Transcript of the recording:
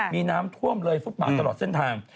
มีน้ำท่วมเลยฟุตบาทตลอดเส้นทาง